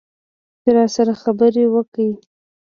چې راسره خبرې وکړي.